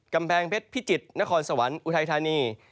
กำแพงเพชรพิจิตรนครสวรรค์อุทัยธานี